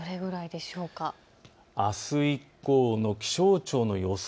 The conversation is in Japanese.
あす以降の気象庁の予想